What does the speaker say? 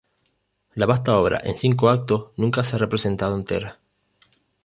La vasta obra en cinco actos nunca se ha representado entera.